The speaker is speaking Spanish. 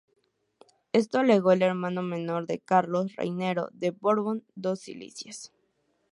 Esto alegó el hermano menor de Carlos, Raniero de Borbón-Dos Sicilias.